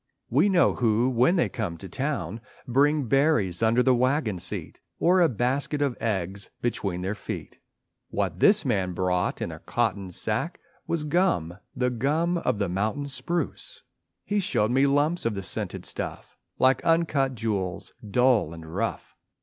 We know who when they come to town Bring berries under the wagon seat, Or a basket of eggs between their feet; What this man brought in a cotton sack Was gum, the gum of the mountain spruce. He showed me lumps of the scented stuff Like uncut jewels, dull and rough.